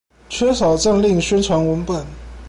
缺少政令宣傳文本